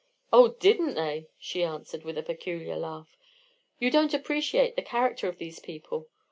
"Oh, didn't they!" she answered, with a peculiar laugh. "You don't appreciate the character of these people.